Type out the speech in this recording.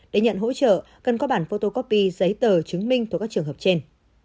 để nhận hỗ trợ cần có bản photocopy giấy tờ chứng minh thuộc các trường hợp trên